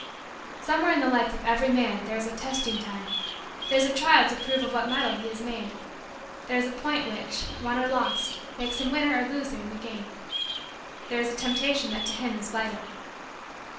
Somewhere in the life of every man there is a testing time. There is a trial to prove of what metal he is made. There is a point which, won or lost, makes him winner or loser in the game. There is a Temptation that to him is vital.